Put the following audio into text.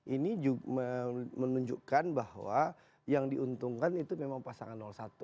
ini menunjukkan bahwa yang diuntungkan itu memang pasangan satu